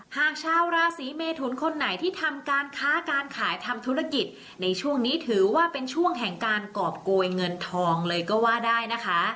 หากชาวราศีเมทุนคนไหนที่ทำการค้าการขายทำธุรกิจในช่วงนี้ถือว่าเป็นช่วงแห่งการกรอบโกยเงินทองเลยก็ว่าได้นะคะ